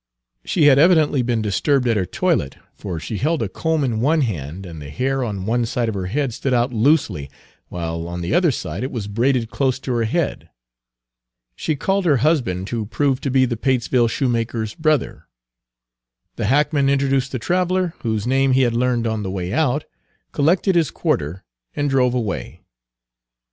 She had evidently been disturbed at her toilet, for she held a comb in one hand, and the hair on one side of her head stood out loosely, while on the other side it was braided close to her head. She called her husband, who proved to be the Patesville shoemaker's brother. The hackman introduced the traveler, whose name he had learned on the way out, collected his quarter, and drove away.